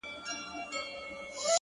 • حتی غزل، چي هر بیت یې، ,